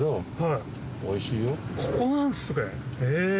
ここなんすねへぇ。